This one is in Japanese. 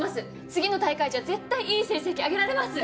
次の大会じゃ絶対いい成績あげられます！